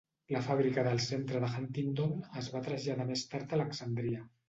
La fàbrica del centre de Huntingdon es va traslladar més tard a Alexandria.